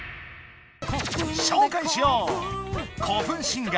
しょうかいしよう！